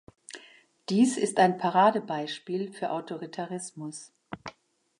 Dies ist ein Paradebeispiel für Autoritarismus.